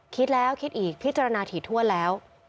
คิดแล้วคิดอีกพิจารณาถี่ถ้วนแล้ว